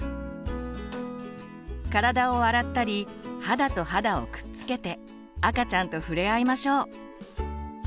体を洗ったり肌と肌をくっつけて赤ちゃんと触れ合いましょう。